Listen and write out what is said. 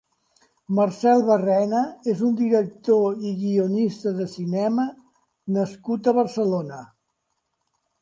Marcel Barrena és un director i guionista de cinema nascut a Barcelona.